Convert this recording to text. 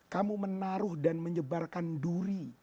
kamu menaruh dan menyebarkan duri